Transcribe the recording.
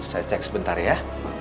saya cek sebentar ya